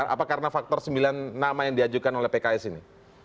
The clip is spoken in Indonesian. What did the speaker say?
apa karena faktor sembilan nama yang diajukan oleh pks ini